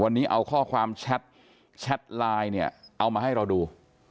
วันนี้เอาข้อความแชทแชทไลน์เนี่ยเอามาให้เราดู